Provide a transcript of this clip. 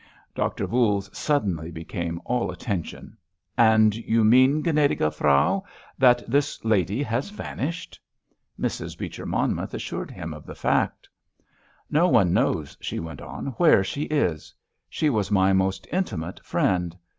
Doctor Voules suddenly became all attention. "And you mean, gnädige Frau, that this lady has vanished?" Mrs. Beecher Monmouth assured him of the fact. "No one knows," she went on, "where she is. She was my most intimate friend.